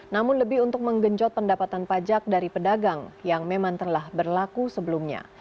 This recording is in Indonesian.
namun lebih untuk menggenjot pendapatan pajak dari pedagang yang memang telah berlaku sebelumnya